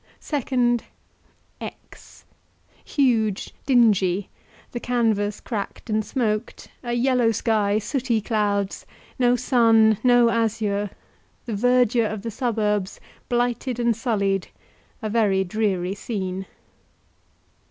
Second, X , huge, dingy; the canvas cracked and smoked; a yellow sky, sooty clouds; no sun, no azure; the verdure of the suburbs blighted and sullied a very dreary scene.